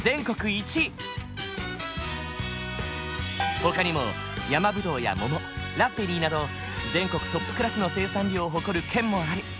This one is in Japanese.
ほかにもヤマブドウや桃ラズベリーなど全国トップクラスの生産量を誇る県もある。